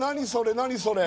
何それ？